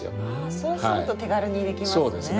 そうすると手軽にできますね。